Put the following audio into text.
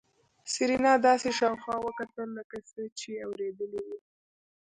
سېرېنا داسې شاوخوا وکتل لکه څه چې يې اورېدلي وي.